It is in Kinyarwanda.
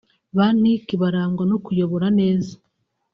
Ba Nick barangwa no kuyobora neza